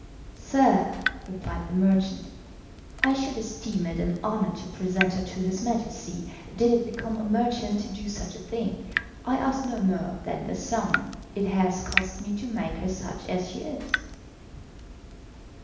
"Sir," replied the merchant, "I should esteem it an honour to present her to his Majesty, did it become a merchant to do such a thing. I ask no more than the sum it has cost me to make her such as she is."